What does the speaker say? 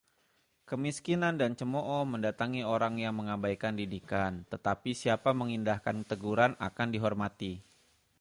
Kemiskinan dan cemooh mendatangi orang yang mengabaikan didikan, tetapi siapa mengindahkan teguran akan dihormati.